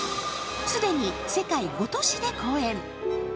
既に世界５都市で公演。